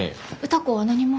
歌子は何も。